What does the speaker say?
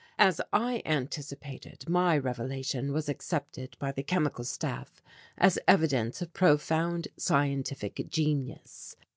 As I anticipated, my revelation was accepted by the Chemical Staff as evidence of profound scientific genius.